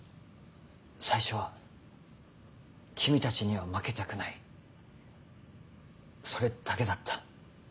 最初は君たちには負けたくないそれだけだった。